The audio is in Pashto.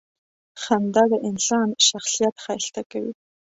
• خندا د انسان شخصیت ښایسته کوي.